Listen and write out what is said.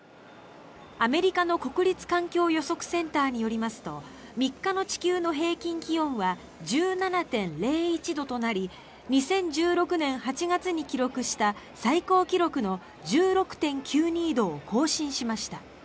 アメリカの国立環境予測センターによりますと３日の地球の平均気温は１７．０１度となり２０１６年８月に記録した最高記録の１６．９２度を更新しました。